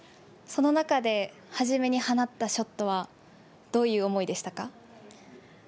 その中で、初めに放ったショットは、どういう思いでしたか。